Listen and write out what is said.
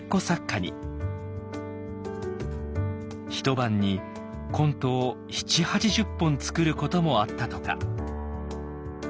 ひと晩にコントを７０８０本作ることもあったとか。